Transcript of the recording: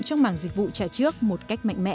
trong mảng dịch vụ trả trước một cách mạnh mẽ